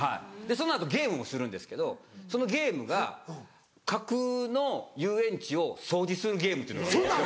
その後ゲームもするんですけどそのゲームが架空の遊園地を掃除するゲームっていうのがあるんです。